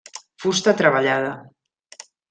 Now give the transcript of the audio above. Fusta treballada.